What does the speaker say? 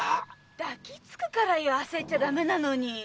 抱きつくからよあせっちゃダメなのに。